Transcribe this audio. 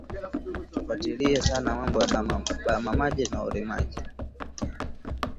Tufwatiriye sana mambo ya ba mama na urimaji